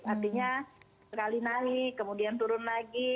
artinya sekali naik kemudian turun lagi